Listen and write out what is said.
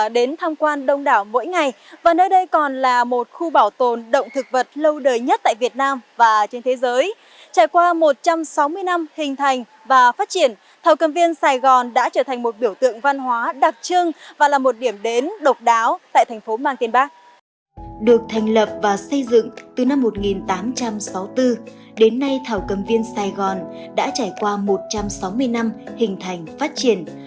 được thành lập và xây dựng từ năm một nghìn tám trăm sáu mươi bốn đến nay thảo cầm viên sài gòn đã trải qua một trăm sáu mươi năm hình thành phát triển